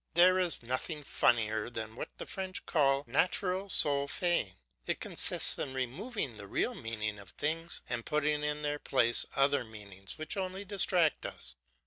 There is nothing funnier than what the French call "natural sol faing;" it consists in removing the real meaning of things and putting in their place other meanings which only distract us.